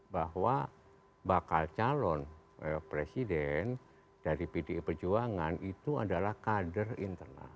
bahwa bakal calon presiden dari pdi perjuangan itu adalah kader internal